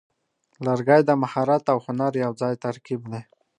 لرګی د مهارت او هنر یوځای ترکیب دی.